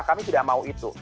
kami tidak mau itu